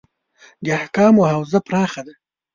د احکامو حوزه پراخه ده.